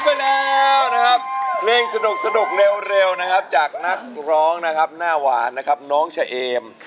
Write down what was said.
เพลงสนุกเร็วนะครับจากนักร้องนะครับหน้าหวานนะครับน้องเฉอม